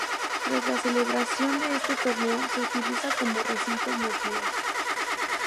Tras la celebración de este Torneo se utiliza como recinto multiusos.